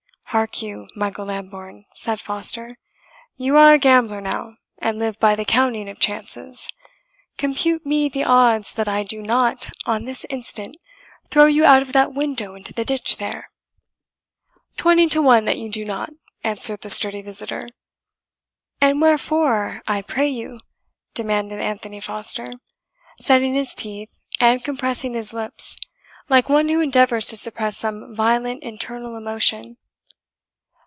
"Hark you, Michael Lambourne," said Foster; "you are a gambler now, and live by the counting of chances compute me the odds that I do not, on this instant, throw you out of that window into the ditch there." "Twenty to one that you do not," answered the sturdy visitor. "And wherefore, I pray you?" demanded Anthony Foster, setting his teeth and compressing his lips, like one who endeavours to suppress some violent internal emotion.